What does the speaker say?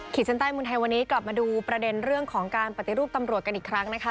ชั้นใต้เมืองไทยวันนี้กลับมาดูประเด็นเรื่องของการปฏิรูปตำรวจกันอีกครั้งนะคะ